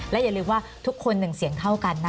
อย่าลืมว่าทุกคนหนึ่งเสียงเท่ากันนะคะ